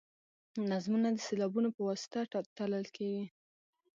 نظمونه د سېلابونو په واسطه تلل کیږي.